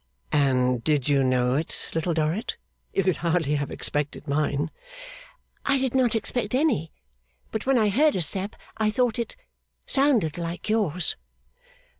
'And did you know it, Little Dorrit? You could hardly have expected mine.' 'I did not expect any. But when I heard a step, I thought it sounded like yours.